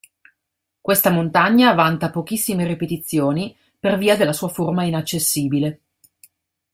Questa montagna vanta pochissime ripetizioni per via della sua forma inaccessibile.